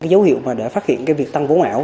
dấu hiệu mà để phát hiện việc tăng vốn ảo